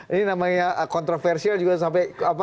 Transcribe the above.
ini namanya kontroversial juga sampai